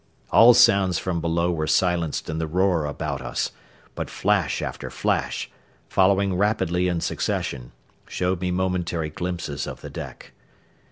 All sounds from below were silenced in the roar about us, but flash after flash, following rapidly in succession, showed me momentary glimpses of the deck.